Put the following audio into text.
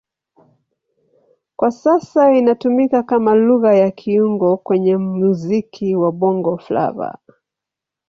Kwa sasa inatumika kama Lugha ya kiungo kwenye muziki wa Bongo Flava.